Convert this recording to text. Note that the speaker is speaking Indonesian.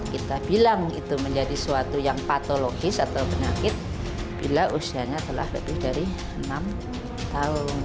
kita bilang itu menjadi suatu yang patologis atau penyakit bila usianya telah lebih dari enam tahun